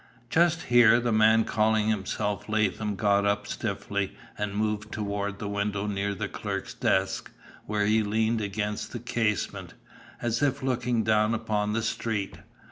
Just here the man calling himself Latham got up stiffly, and moved toward the window near the clerk's desk, where he leaned against the casement, as if looking down upon the street.